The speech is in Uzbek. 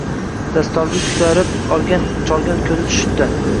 Dastorgul ko’tarib olgan cholga ko’zi tushdi.